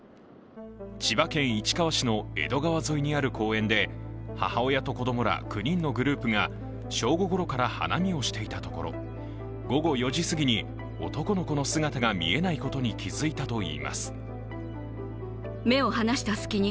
千葉県市川市の江戸川沿いにある公園で母親と子どもら９人のグループが正午ごろから花見をしていたところ午後４時すぎに男の子の姿が見えないことに気づいたといいます。